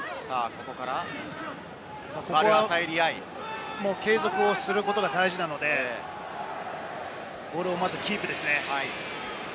ここは継続することが大事なので、ボールをまずキープですね。